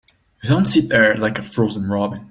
Don't sit there like a frozen robin.